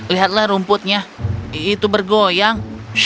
lihatlah rumputnya itu bergoyang